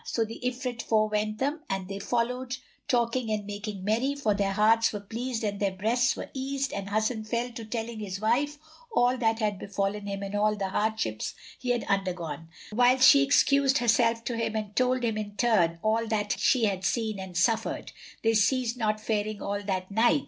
So the Ifrit forewent them and they followed, talking and making merry, for their hearts were pleased and their breasts were eased and Hasan fell to telling his wife all that had befallen him and all the hardships he had undergone, whilst she excused herself to him and told him, in turn, all she had seen and suffered. They ceased not faring all that night.